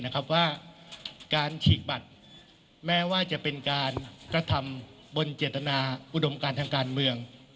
ว่าการฉีกบัตรแม้ว่าจะเป็นการกระทำบนเจตนาอุดมการทางการเมือง